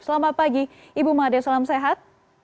selamat pagi ibu made salam sehat